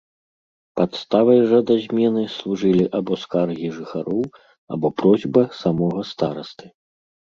Падставай жа да змены служылі або скаргі жыхароў, або просьба самога старасты.